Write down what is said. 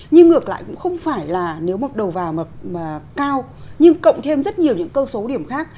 nhưng ngược lại cũng không phải là nếu mặc đầu vào mà cao nhưng cộng thêm rất nhiều những câu số điểm khác